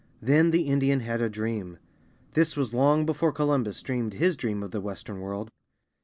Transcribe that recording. Then the Indian had a dream. This was long before Columbus dreamed his dream of the Western World.